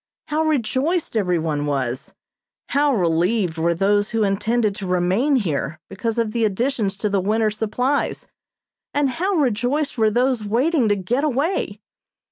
How rejoiced everyone was! How relieved were those who intended to remain here because of the additions to the winter's supplies, and how rejoiced were those waiting to get away?